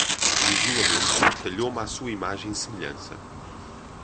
O isolamento talhou-me à sua imagem e semelhança.